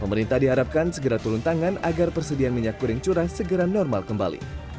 pemerintah diharapkan segera turun tangan agar persediaan minyak goreng curah segera normal kembali